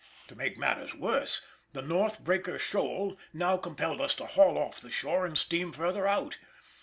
To make matters worse, the North Breaker shoal now compelled us to haul off the shore and steam further out.